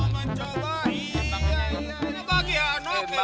semuanya kebagian ayo siapa tau mau mencoba